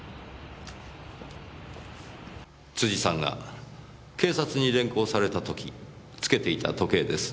辻さんが警察に連行された時つけていた時計です。